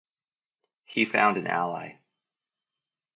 He found an ally.